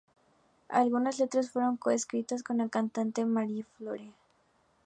Algunas letras fueron co-escritas con la cantante Marie-Flore.